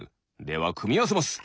ではくみあわせます。